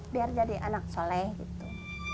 biar jadi anak soleh gitu